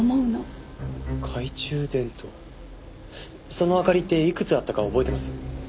その明かりっていくつあったか覚えてます？